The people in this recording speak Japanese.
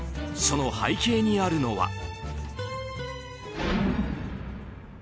その背景にあるのは。